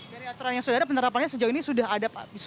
dari aturan yang sudah ada penerapannya sejauh ini sudah ada pak